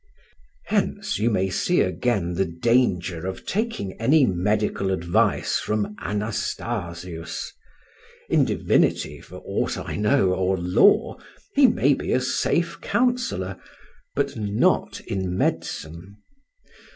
Hence you may see again the danger of taking any medical advice from Anastasius; in divinity, for aught I know, or law, he may be a safe counsellor; but not in medicine.